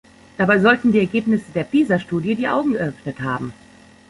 Dabei sollten die Ergebnisse der Pisa-Studie die Augen geöffnet haben.